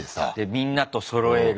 みんなとそろえる。